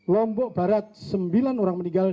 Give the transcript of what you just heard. lombok barat sembilan orang meninggal